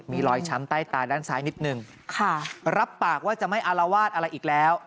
มีรอยช้ำใต้ตาด้านซ้ายนิดนึงค่ะรับปากว่าจะไม่อารวาสอะไรอีกแล้ว